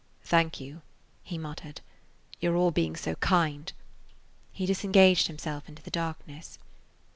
"Thank you," he muttered; "you 're all being so kind–" He disengaged himself into the darkness.